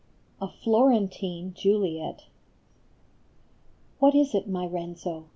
A FLORENTINE JULIET. HAT is it, my Renzo